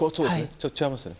ちょっと違いますよね。